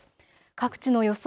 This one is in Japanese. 各地の予想